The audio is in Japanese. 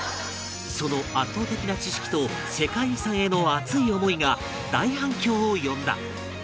その圧倒的な知識と世界遺産への熱い思いが大反響を呼んだ